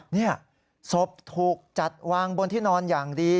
นี่ศพถูกจัดวางบนที่นอนอย่างดี